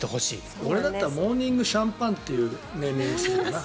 俺だったらモーニングシャンパンっていうネーミングにするかな。